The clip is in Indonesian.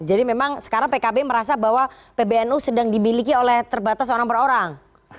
jadi memang sekarang pkb merasa bahwa pbnu sedang dimiliki oleh terbatas orang per orang